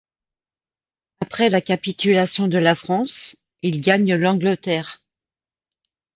Après la capitulation de la France, il gagne l'Angleterre.